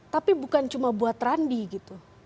tapi bukan cuma buat randi gitu